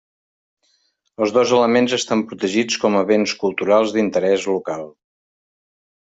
Els dos elements estan protegits com a béns culturals d'interès local.